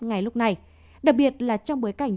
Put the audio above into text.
ngay lúc này đặc biệt là trong bối cảnh